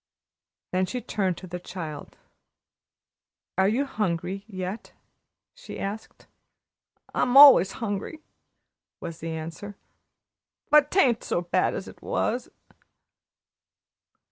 Then she turned to the child. "Are you hungry, yet?" she asked. "I'm allus 'ungry," was the answer; "but 'tain't so bad as it was."